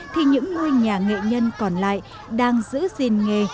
thì những ngôi nhà nghệ nhân còn lại đang giữ gìn nghề